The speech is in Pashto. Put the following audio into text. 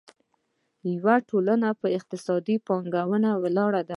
د یوې ټولنې اقتصاد په پانګونې ولاړ دی.